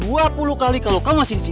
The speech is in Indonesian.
dua puluh kali kalo kamu masih disini